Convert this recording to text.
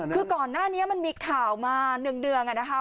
คือก่อนหน้านี้มันมีข่าวมา๑เดือนนะคะ